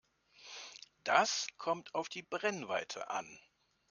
Das kommt auf die Brennweite an.